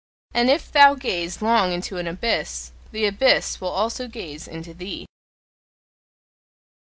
And if thou gaze long into an abyss, the abyss will also gaze into thee.